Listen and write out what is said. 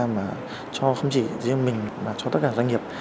mà cho không chỉ riêng mình mà cho tất cả doanh nghiệp